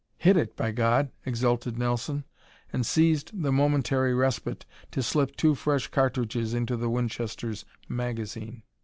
"Hit it, by God!" exulted Nelson, and seized the momentary respite to slip two fresh cartridges into the Winchester's magazine.